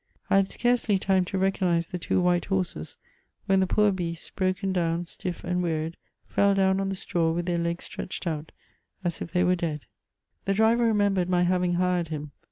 I had scarcely time to recognise the two white hcnrses, when t^e poor beasts, broken down, stiff, and wearied, fell down on the straw with tlieir legs stretched out as if they were dead. The driver r^nembered my having hired him.